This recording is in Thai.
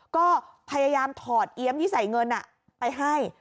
ก็พยายามถอดเอี๊ยมที่ใส่เงินไปให้